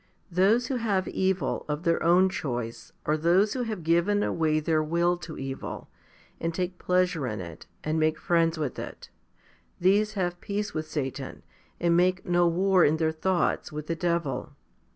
Those who have evil of their own choice are those who have given away their will to evil, and take pleasure in it, and make friends with it. These have peace with Satan, and make no war in their thoughts with the devil.